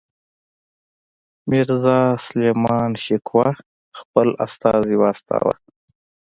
میرزاسلیمان شکوه خپل استازی واستاوه.